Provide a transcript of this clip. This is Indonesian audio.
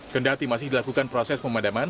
kendati masih dilakukan proses pemadaman